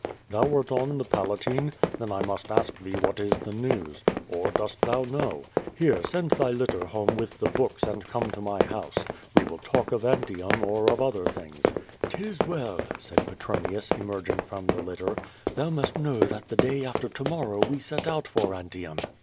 "Thou wert on the Palatine? Then I must ask thee what is the news. Or, dost thou know? Here, send thy litter homo with the books, and come to my house. We will talk of An tium or other things." "*Tis well," said Petronius, emerging from the litter. "Thou must know that the day after to morrow we set out for Antium."